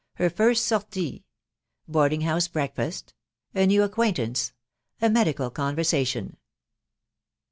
HER FIRST SORTIE. BOARDING HOUSE BREAKFAST. A NEW ACQUAINTANCE. A MEDICAL CONVER SATION.